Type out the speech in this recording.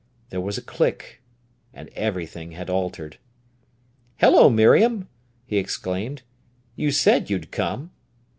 There was a click, and everything had altered. "Hello, Miriam!" he exclaimed. "You said you'd come!"